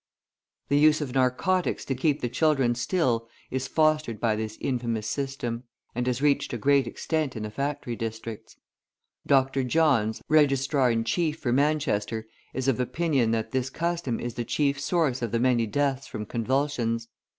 The use of narcotics to keep the children still is fostered by this infamous system, and has reached a great extent in the factory districts. Dr. Johns, Registrar in Chief for Manchester, is of opinion that this custom is the chief source of the many deaths from convulsions.